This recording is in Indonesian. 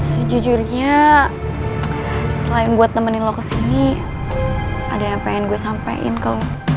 sejujurnya selain gue temenin lo kesini ada yang pengen gue sampein ke lo